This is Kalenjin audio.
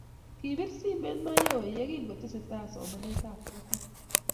kibir simet Mayowe yeki ngotesetai somanetab kutit